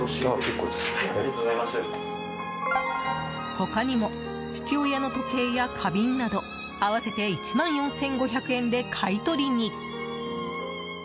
他にも、父親の時計や花瓶など合わせて１万４５００円で買い取りに。